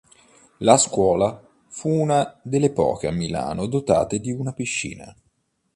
La scuola fu una delle poche a Milano dotate di una piscina.